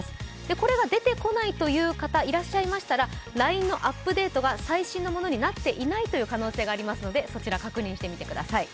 これが出てこないという方いらっしゃいましたら、ＬＩＮＥのアップデートが最新のものになっていない可能性がありますので、そちら確認してみてください。